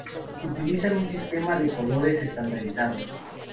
Utilizan un sistema de colores estandarizado.